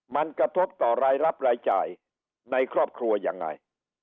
มันกระทบต่อรายรับรายจ่ายในครอบครัวยังไง